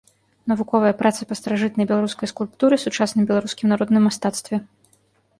Навуковыя працы па старажытнай беларускай скульптуры, сучасным беларускім народным мастацтве.